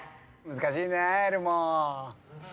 難しいねエルモ。